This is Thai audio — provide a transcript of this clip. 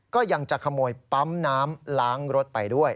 ก็ยังจะขโมยปั๊มน้ำล้างรถไปด้วย